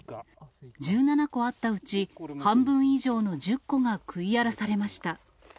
１７個あったうち、半分以上の１０個が食い荒らされました。